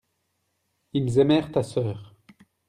ils aimèrent ta sœur.